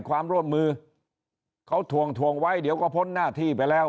ความร่วมมือเขาทวงทวงไว้เดี๋ยวก็พ้นหน้าที่ไปแล้ว